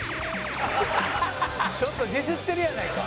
ちょっとディスってるやないか。